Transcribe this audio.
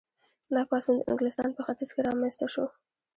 دا پاڅون د انګلستان په ختیځ کې رامنځته شو.